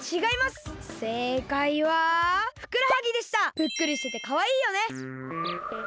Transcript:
ぷっくりしててかわいいよね！